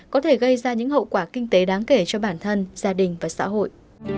có thể gây ra những hậu quả kinh tế đáng kể cho bản thân gia đình và xã hội